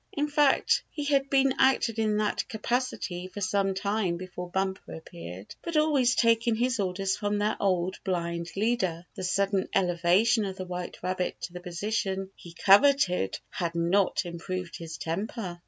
In fact, he had been acting in that capacity for some time before Bumper appeared, but always taking his orders from their old blind leader. The sudden elevation of the white rabbit to the position he coveted had not improved his temper.